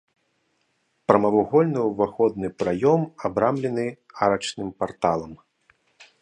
Прамавугольны ўваходны праём абрамлены арачным парталам.